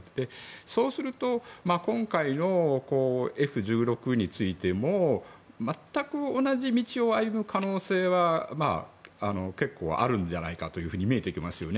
そうすると今回のＦ１６についても全く同じ道を歩む可能性は結構あるんじゃないかと見えてきますよね。